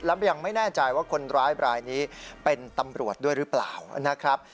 และยังไม่แน่ใจว่าคนร้ายบรายนี้เป็นตำรวจด้วยหรือเปล่านะครับ